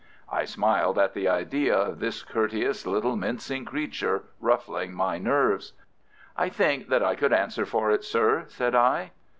I smiled at the idea of this courteous, little, mincing creature ruffling my nerves. "I think that I could answer for it, sir," said I.